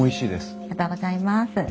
ありがとうございます。